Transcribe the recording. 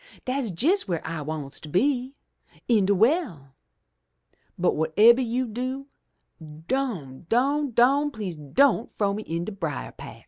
Dat's jes' w'ere I wants to be — in de well. But, whatebber you do, don', don', don', please don' frow me in de brier patch!'